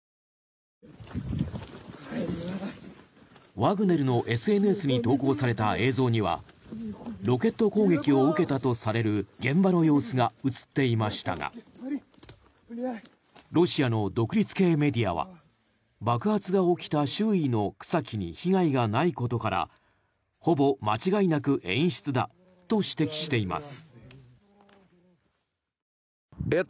ワグネルのＳＮＳに投稿された映像にはロケット攻撃を受けたとされる現場の様子が映っていましたがロシアの独立系メディアは爆発が起きた周囲の草木に被害がないことからほぼ間違いなく演出だと指摘しています。